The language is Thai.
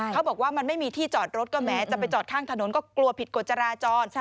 เขาบอกว่ามันไม่มีที่จอดรถก็แม้จะไปจอดข้างถนนก็กลัวผิดกฎจราจร